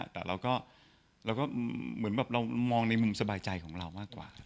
แต่เราก็เหมือนแบบเรามองในมุมสบายใจของเรามากกว่า